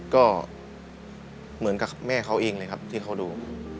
ก็เหมือนกับแม่เขาเองเลยครับที่เขาดู